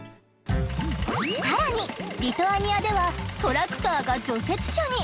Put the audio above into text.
さらにリトアニアではトラクターが除雪車に。